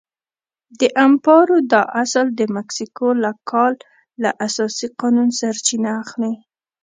د امپارو دا اصل د مکسیکو له کال له اساسي قانون سرچینه اخلي.